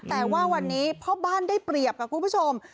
แต่ว่าวันนี้พ่อบ้านได้เปรียบค่ะคุณผู้ชม